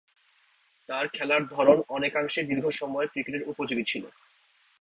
তার খেলার ধরন অনেকাংশেই দীর্ঘ সময়ের ক্রিকেটের উপযোগী ছিল।